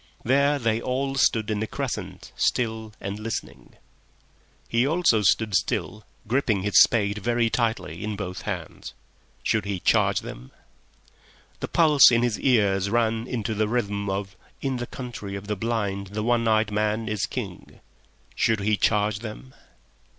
There they all stood in a crescent, still and listening. He also stood still, gripping his spade very tightly in both hands. Should he charge them? The pulse in his ears ran into the rhythm of "In the Country of the Blind the One Eyed Man is King." Should he charge them?